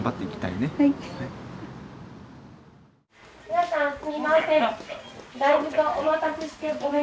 皆さんすいません。